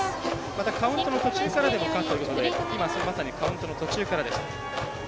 またカウントの途中からでも可ということで今、まさにカウントの途中からでした。